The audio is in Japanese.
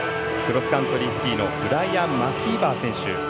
クロスカントリースキーのブライアン・マキーバー選手。